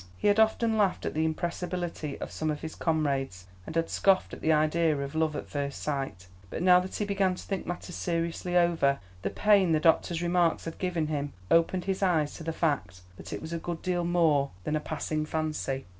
He had often laughed at the impressibility of some of his comrades, and had scoffed at the idea of love at first sight, but now that he began to think matters seriously over, the pain the doctor's remarks had given him opened his eyes to the fact that it was a good deal more than a passing fancy.